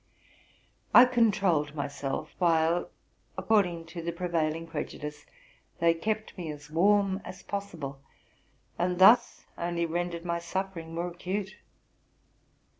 I controlled myself, while, according to the prevailing prejudice, they kept me as warm as possible, and thus only rendered my suffering more acute.